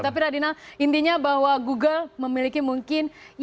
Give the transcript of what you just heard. tapi radinal intinya bahwa google memiliki mungkin pemain yang lebih kecil